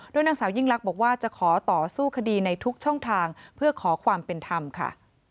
นางสาวยิ่งลักษณ์บอกว่าจะขอต่อสู้คดีในทุกช่องทางเพื่อขอความเป็นธรรมค่ะ